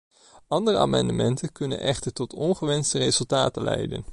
Andere amendementen kunnen echter tot ongewenste resultaten leiden.